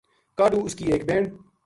کاہڈو اس کی ایک بہن